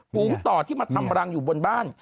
ฝูงต่อที่มาทำรังอยู่บนบ้าน